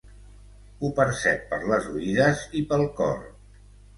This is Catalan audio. Ho percep per les oïdes i pel cor.